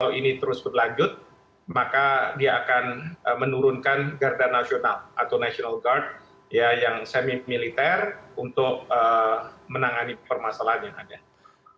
kalau ini terus berlanjut maka dia akan menurunkan garda nasional atau national guard yang semi militer untuk menangani permasalahan yang ada